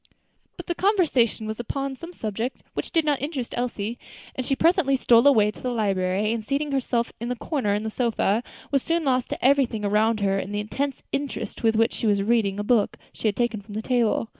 But the conversation was upon some subject which did not interest Elsie, and she presently stole away to the library, and seating herself in a corner of the sofa, was soon lost to everything around her in the intense interest with which she was reading a book she had taken from the table.